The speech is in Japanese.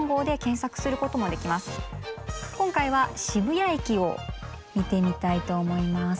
今回は渋谷駅を見てみたいと思います。